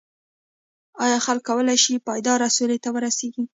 ایا خلک کولای شي پایداره سولې ته ورسیږي؟